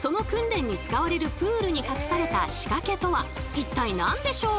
一体何でしょう？